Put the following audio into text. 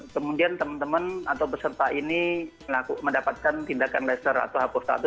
kemudian teman teman atau peserta ini mendapatkan tindakan laser atau hapus status